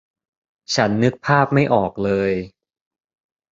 ฉันนึกภาพไม่ออกเลย